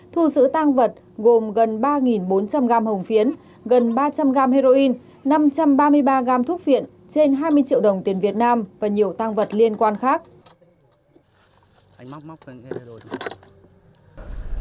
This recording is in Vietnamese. thu giữ tăng vật gồm gần ba bốn trăm linh gram hồng phiến gần ba trăm linh gram heroin năm trăm ba mươi ba gam thuốc viện trên hai mươi triệu đồng tiền việt nam và nhiều tăng vật liên quan khác